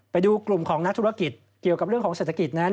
ไปดูกลุ่มของนักธุรกิจเกี่ยวกับเรื่องของเศรษฐกิจนั้น